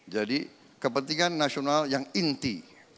jadi kepentingan nasional yang inti